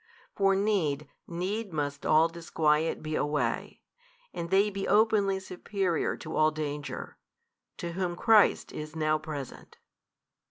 For need, need must all disquiet be away, and they be openly superior to all danger, to whom Christ is now present.